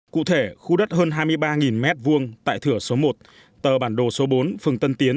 cụ thể khu đất hơn hai mươi ba m hai tại thửa số một tờ bản đồ số bốn phường tân tiến